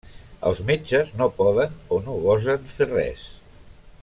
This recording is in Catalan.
Els metges no poden o no gosen fer res.